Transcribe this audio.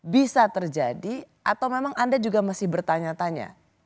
bisa terjadi atau memang anda juga masih bertanya tanya